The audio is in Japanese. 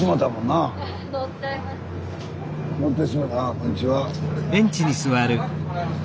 こんにちは。